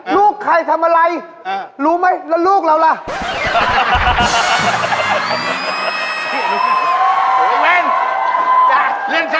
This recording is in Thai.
ลูกใครทำอะไรรู้ไหมแล้วลูกเราล่ะ